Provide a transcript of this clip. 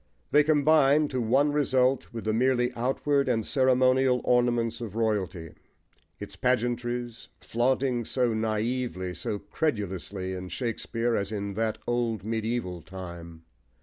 They combine to one result with the merely outward and ceremonial ornaments of royalty, its pageantries, flaunting so naively, so credulously, in Shakespeare, as in that old medieval time.